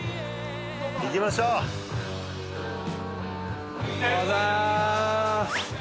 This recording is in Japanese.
行きましょうおはようございます